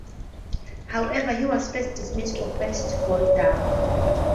However, he was dismissed for a first ball duck.